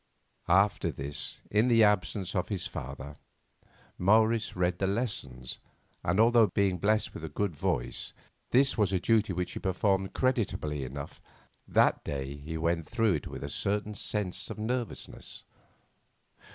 After this, in the absence of his father, Morris read the lessons, and although, being blessed with a good voice, this was a duty which he performed creditably enough, that day he went through it with a certain sense of nervousness.